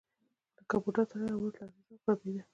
لکه د بوډا سړي اواز لړزېده او ګړبېده.